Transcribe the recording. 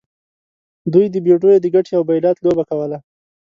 دوی د بیډیو د ګټې او بایلات لوبه کوله.